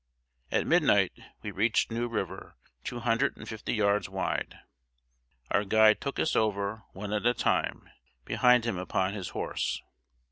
] At midnight we reached New River, two hundred and fifty yards wide. Our guide took us over, one at a time, behind him upon his horse.